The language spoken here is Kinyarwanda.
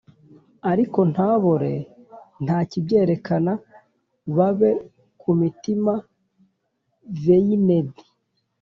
(ariko nta bore, nta kibyerekana babe ku mitiba veined